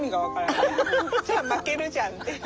じゃあ負けるじゃんっていう！